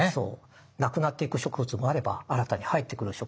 なくなっていく植物もあれば新たに入ってくる植物もある。